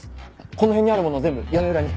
この辺にあるもの全部屋根裏に。